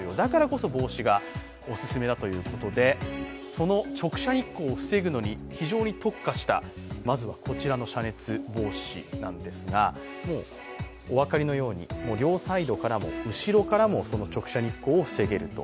その直射日光を防ぐのに非常に特化した、まずはこちらの遮熱帽子なんですがお分かりのように両サイドからも後ろからも直射日光を防げると。